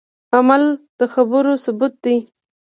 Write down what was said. عمل د خبرو ثبوت دی